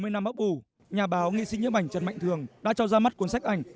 sau hơn bốn mươi năm ấp ủ nhà báo nghị sĩ nhấp ảnh trần mạnh trường đã cho ra mắt cuốn sách ảnh